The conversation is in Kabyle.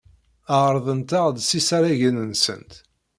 Ɛerrḍent-aɣ-d s isaragen-nsent.